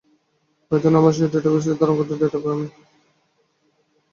পাইথনে আমরা সেই ডেটাসেট ধারন করি ডেটা ফ্রেমে।